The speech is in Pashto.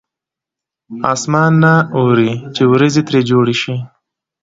اسمان نه اوري چې ورېځې ترې جوړې شي.